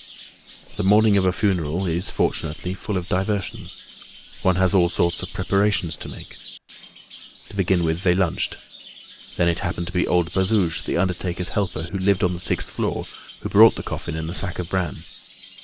The morning of a funeral is, fortunately, full of diversions. One has all sorts of preparations to make. To begin with, they lunched. Then it happened to be old Bazouge, the undertaker's helper, who lived on the sixth floor, who brought the coffin and the sack of bran.